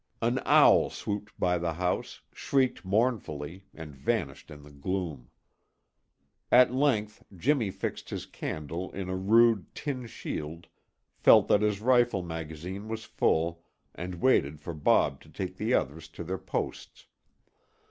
An owl swooped by the house, shrieked mournfully, and vanished in the gloom. At length Jimmy fixed his candle in a rude tin shield, felt that his rifle magazine was full, and waited for Bob to take the others to their posts.